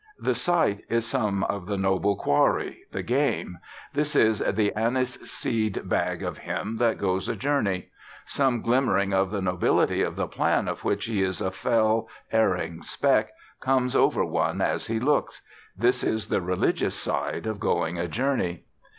The sight is some of the noble quarry, the game; this is the anise seed bag of him that goes a journey. Some glimmering of the nobility of the plan of which he is a fell, erring speck comes over one as he looks. This is the religious side of going a journey.